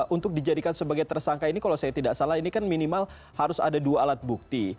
untuk dijadikan sebagai tersangka ini kalau saya tidak salah ini kan minimal harus ada dua alat bukti